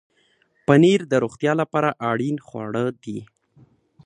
پنېر د روغتیا لپاره اړین خواړه دي.